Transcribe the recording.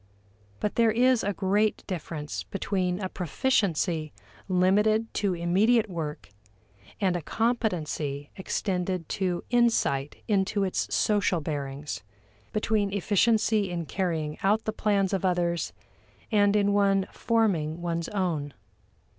But there is a great difference between a proficiency limited to immediate work, and a competency extended to insight into its social bearings; between efficiency in carrying out the plans of others and in one forming one's own.